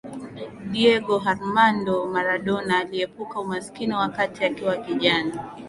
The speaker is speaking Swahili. Diego Armando Maradona aliepuka umaskini wakati akiwa kijana